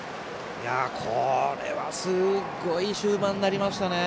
これはすごい終盤になりましたね。